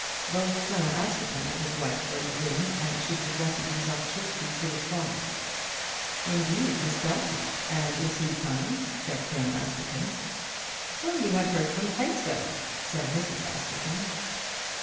Both Colonel Askerton and his wife were in the room, and she was addressing herself chiefly to the former. "Indeed, Miss Belton! And is he coming?" said Colonel Askerton. "So you have heard from Plaistow?" said Mrs. Askerton.